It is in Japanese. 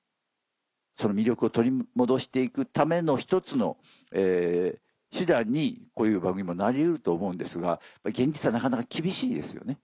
その魅力を取り戻して行くための１つの手段にこういう番組もなり得ると思うんですが現実はなかなか厳しいですよね。